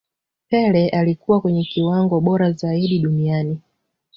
pele alikuwa kwenye kiwango bora zaidi duniani